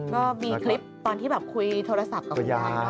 ก็มีคลิปตอนที่แบบคุยโทรศัพท์กับคุณยาย